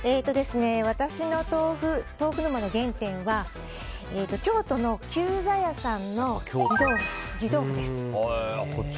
私の豆腐沼の原点は京都の久在屋さんの地豆腐です。